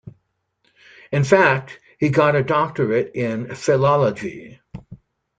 In fact, he got a doctorate in Philology.